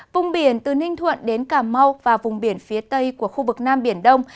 vùng biển từ ninh thuận đến cà mau và vùng biển phía tây của khu vực nam biển đông